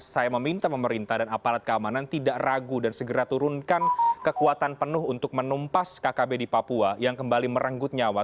saya meminta pemerintah dan aparat keamanan tidak ragu dan segera turunkan kekuatan penuh untuk menumpas kkb di papua yang kembali merenggut nyawa